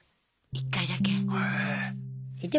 １回だけ？